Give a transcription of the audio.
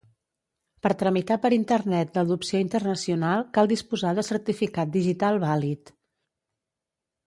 Per tramitar per Internet l'adopció internacional cal disposar de certificat digital vàlid.